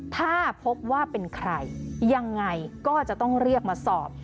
ถ้าพบว่าเป็นใครยังไงก็จะต้องเรียกมาสอบ